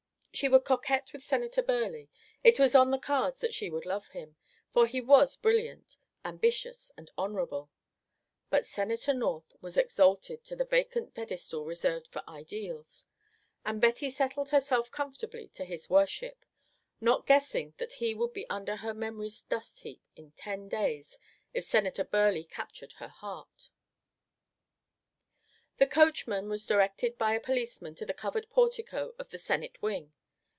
She would coquet with Senator Burleigh; it was on the cards that she would love him, for he was brilliant, ambitious, and honourable; but Senator North was exalted to the vacant pedestal reserved for ideals, and Betty settled herself comfortably to his worship; not guessing that he would be under her memory's dust heap in ten days if Senator Burleigh captured her heart. The coachman was directed by a policeman to the covered portico of the Senate wing.